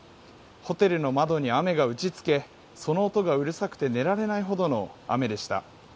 ホテルの窓に雨が打ち付けその音がうるさくて寝られないほどの雨でした。